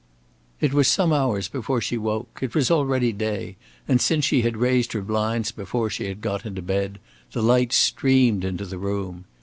It was some hours before she woke. It was already day, and since she had raised her blinds before she had got into bed, the light streamed into the room.